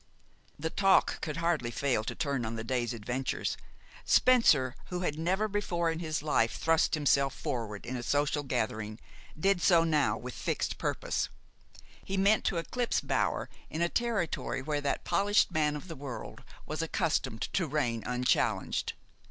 The talk could hardly fail to turn on the day's adventures. Spencer, who had never before in his life thrust himself forward in a social gathering, did so now with fixed purpose. He meant to eclipse Bower in a territory where that polished man of the world was accustomed to reign unchallenged.